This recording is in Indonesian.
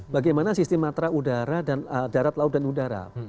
bagaimana sistem matra udara darat laut dan udara